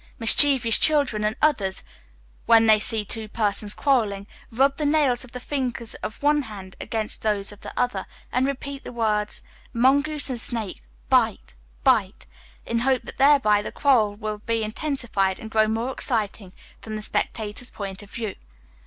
Mischievous children, and others, when they see two persons quarrelling, rub the nails of the fingers of one hand against those of the other, and repeat the words "Mungoose and snake, bite, bite," in the hope that thereby the quarrel will be intensified, and grow more exciting from the spectator's point of view.